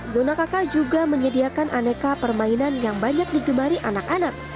zona kk juga menyediakan aneka permainan yang banyak digemari anak anak